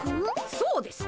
そうです。